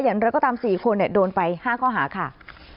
แล้วก็ตาม๔คนโดนไป๕ข้อหาค่ะ